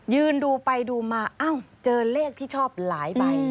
ยืนดูไปดูมาเอ้าเจอเลขที่ชอบหลายใบ